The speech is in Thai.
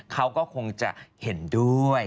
ก็คงจะเห็นด้วย